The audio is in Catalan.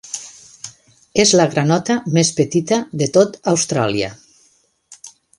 És la granota més petita de tot Austràlia.